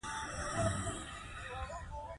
په بیړني حالاتو کې له نورو سره مرسته وکړئ.